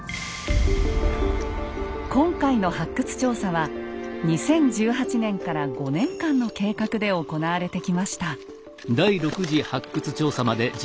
今回の発掘調査は２０１８年から５年間の計画で行われてきました。